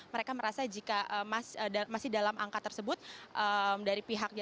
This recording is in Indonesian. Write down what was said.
mereka merasa jika masih dalam angka tersebut dari pihak jasa marga